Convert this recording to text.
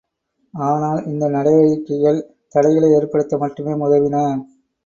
ஆனால் இந்நடவடிக்கைகள் தடைகளை ஏற்படுத்த மட்டுமே உதவின.